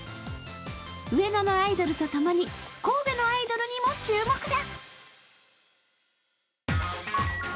上野のアイドルとともに神戸のアイドルにも注目だ。